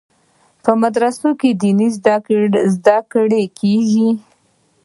په مدرسو کې دیني زده کړې کیږي.